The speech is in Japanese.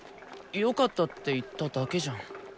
よかったって言っただけじゃん。